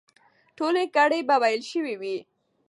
ټولې ګړې به وېل سوې وي.